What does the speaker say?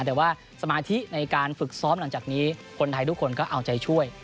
แต่ว่าสมาธิในการฝึกซ้อมหลังจากนี้คนไทยทุกคนก็เอาใจช่วย